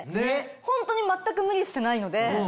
ホントに全く無理してないので。